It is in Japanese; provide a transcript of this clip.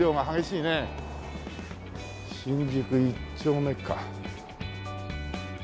新宿一丁目か。